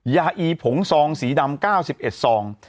อีผงซองสีดำ๙๑ซอง